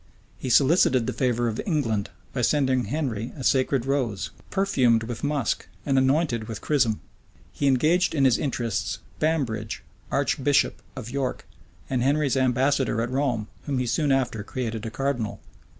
He solicited the favor of England, by sending Henry a sacred rose, perfumed with musk and anointed with chrism.[] He engaged in his interests Bambridge, archbishop of York, and Henry's ambassador at Rome, whom he soon after created a cardinal.